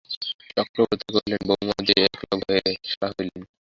চক্রবর্তী কহিলেন, বউমা যে একলা ভয়ে সারা হইলেন।